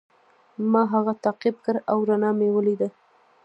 ما هغه تعقیب کړ او رڼا مې ولیده.